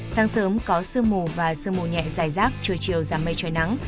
sáng sớm có sương mù và sương mù nhẹ dài rác trưa chiều giảm mây trời nắng